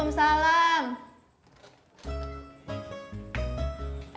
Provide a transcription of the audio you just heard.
karena aku brauchen banget kak